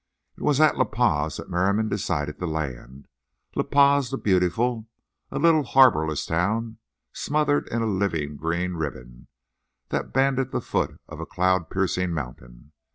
It was at La Paz that Merriam decided to land—La Paz the Beautiful, a little harbourless town smothered in a living green ribbon that banded the foot of a cloud piercing mountain.